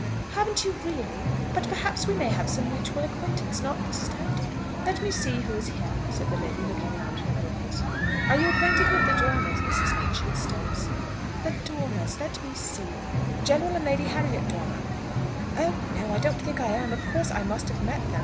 "Haven't you, really? But perhaps we may have some mutual acquaintances notwithstanding. Let me see who is here!" said the lady, looking round her rooms. "Are you acquainted with the Dormers, Mrs. Machyn Stubbs?" "The Dormers? Let me see " "General and Lady Harriet Dormer." "Oh! no; I don't think I am. Of course I must have met them.